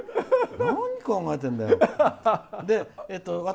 何、考えてんだよ！